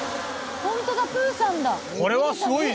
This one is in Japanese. ホントだ『プーさん』だ」